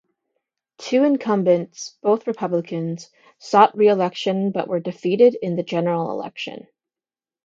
Two incumbents (both Republicans) sought reelection but were defeated in the general election.